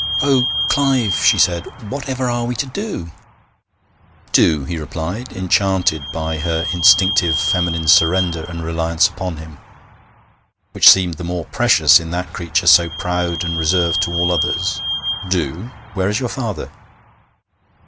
'Oh, Clive!' she said. 'Whatever are we to do?' 'Do?' he replied, enchanted by her instinctive feminine surrender and reliance upon him, which seemed the more precious in that creature so proud and reserved to all others. 'Do! Where is your father?'